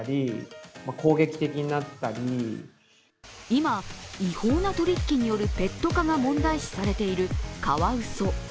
今、違法な取引きによるペット化が問題視されているカワウソ。